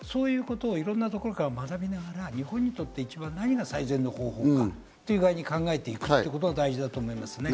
いろんなところから学びながら、日本にとって何が一番最善の方法かという具合に考えていくことが大事だと思いますね。